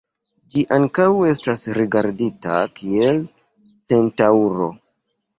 Ĝi ankaŭ estas rigardita kiel centaŭro.